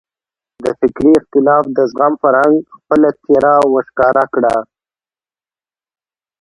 د فکري اختلاف د زغم فرهنګ خپله څېره وښکاره کړه.